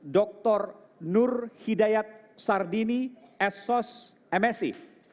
dr nur hidayat sardini sos msi